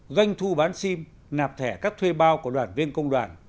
doanh thu bán sim nạp thẻ các thuê bao của đoàn viên công đoàn